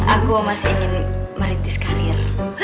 aku masih ingin merintis karir